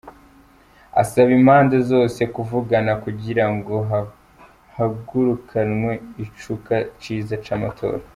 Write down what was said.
Asaba impande zose kuvugana kugira hagarukanwe icuka ciza c'amatora.